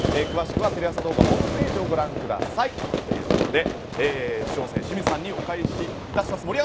詳しくはテレ朝動画ホームページをご覧ください。というところで主音声清水さんのお返しいたします。